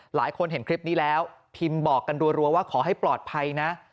หลายคนเห็นคลิปนี้แล้วพิมพ์บอกกันรัวว่าขอให้ปลอดภัยนะ